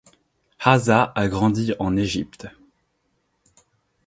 Hazzah a grandi en Égypte.